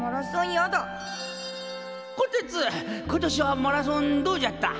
こてつ今年はマラソンどうじゃった？